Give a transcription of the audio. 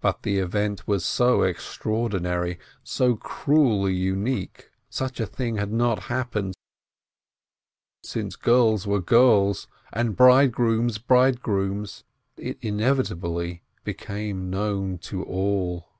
But the event was so extraordinary, so cruelly unique — such a thing had not happened since girls were girls, and bridegrooms, bridegrooms, in the Pid 460 BLINKIN vorkes — that it inevitably became known to all.